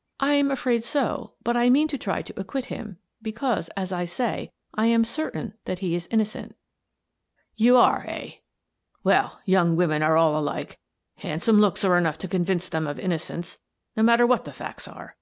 " I am afraid so, but I mean to try to acquit him, because, as I say, I am certain that he is innocent" " You are, eh ? Well, young women are all alike : handsome looks are enough to convince them of in nocence, no matter what the facts are.